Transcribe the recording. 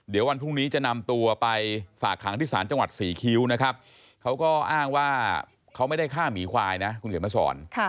เดี๋ยววันพรุ่งนี้จะนำตัวไปฝากขังที่ศาลจังหวัดศรีคิ้วนะครับเขาก็อ้างว่าเขาไม่ได้ฆ่าหมีควายนะคุณเขียนมาสอน